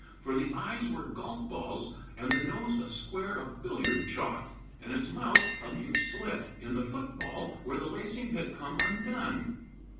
For the eyes were golf balls, and the nose a square of billiard chalk, and its mouth a mere slit in the foot ball where the lacing had come undone.